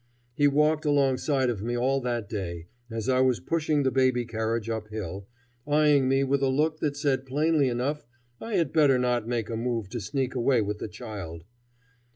He walked alongside of me all that day, as I was pushing the baby carriage up hill, eying me with a look that said plainly enough I had better not make a move to sneak away with the child.